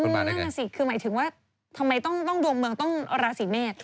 คือหมายถึงว่าทำไมต้องดวงเมืองต้องราศีแม่